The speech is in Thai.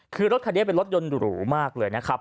คือรถคันนี้เป็นรถยนต์หรูมากเลยนะครับ